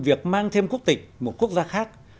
việc mang thêm quốc tịch một quốc gia khác